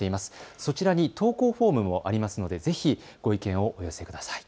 そちらに投稿フォームもありますので、ぜひご意見をお寄せください。